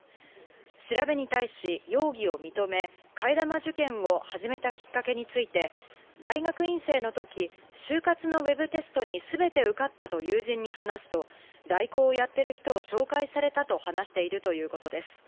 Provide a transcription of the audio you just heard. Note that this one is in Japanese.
調べに対し容疑を認め、替え玉受験を始めたきっかけについて、大学院生のとき、就活のウェブテストにすべて受かったと友人に話すと、代行をやってる人を紹介されたと話しているということです。